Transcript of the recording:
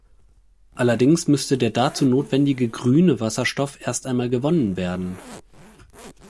Allerdings müsste der dazu notwendige „grüne“ Wasserstoff erst einmal gewonnen werden.